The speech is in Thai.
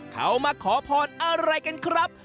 เขามาขอพรอะไรกันครับ